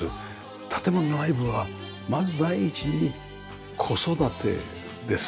建物の内部はまず第一に子育てです。